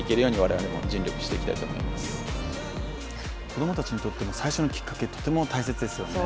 子供たちにとっても最初のきっかけ、とても大切ですよね。